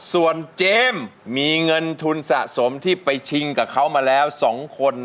ส่วนเจมส์มีเงินทุนสะสมที่ไปชิงกับเขามาแล้ว๒คน